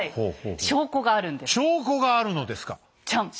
証拠があるんです。